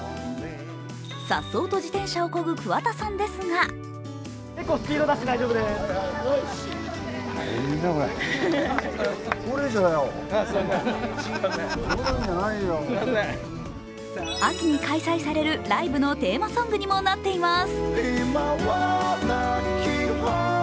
さっそうと自転車をこぐ桑田さんですが秋に開催されるライブのテーマソングにもなっています。